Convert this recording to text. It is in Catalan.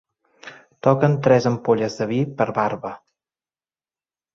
Toquen tres ampolles de vi per barba.